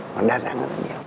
nó đa dạng hơn rất nhiều